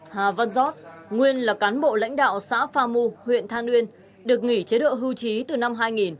hà văn giót nguyên là cán bộ lãnh đạo xã pha mu huyện than uyên được nghỉ chế độ hưu trí từ năm hai nghìn